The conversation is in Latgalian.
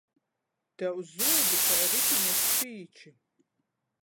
Tev zūbi kai ritiņa spīči.